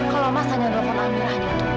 kalau mas hanya dokon amira